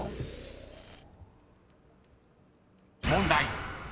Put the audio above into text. ［問題］